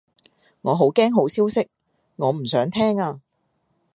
我好驚好消息，我唔想聽啊